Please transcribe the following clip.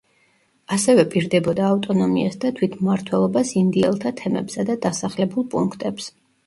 ასევე პირდებოდა ავტონომიას და თვითმმართველობას ინდიელთა თემებსა და დასახლებულ პუნქტებს.